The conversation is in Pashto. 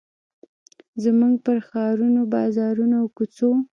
زموږ پر ښارونو، بازارونو، او کوڅو